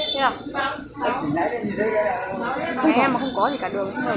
thế em mà không có thì cả đường không thể có